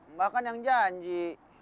mbak kan yang janji